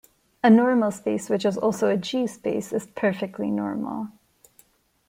A normal space which is also a G space is perfectly normal.